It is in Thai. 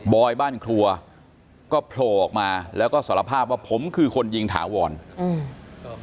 อยบ้านครัวก็โผล่ออกมาแล้วก็สารภาพว่าผมคือคนยิงถาวรอืม